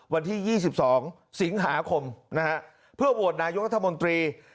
วันที่๒๒สิงหาคมนะครับเพื่อววดนายกรรธมนตรี